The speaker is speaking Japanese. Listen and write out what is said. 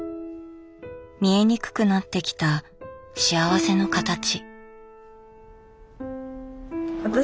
見えにくくなってきた幸せのかたち。